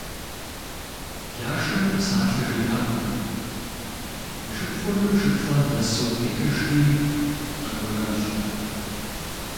Лашэм псалъэ жиӏакъым, и шыпхъур шыплӏэм дэсу къихьыжри къэкӏуэжащ.